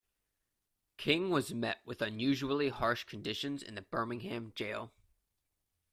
King was met with unusually harsh conditions in the Birmingham jail.